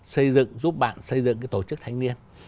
xây dựng giúp bạn xây dựng cái tổ chức thanh niên